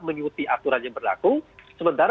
mengikuti aturan yang berlaku sementara